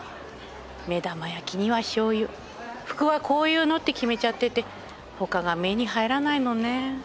目玉焼きにはしょうゆ服はこういうのって決めちゃってて他が目に入らないのね。